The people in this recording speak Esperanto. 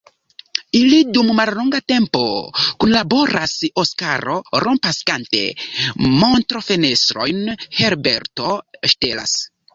Ili dum mallonga tempo kunlaboras: Oskaro rompas kante montrofenestrojn, Herberto ŝtelas.